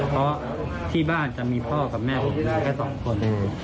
เพราะที่บ้านจะมีพ่อกับแม่พวกนี้แค่๒คน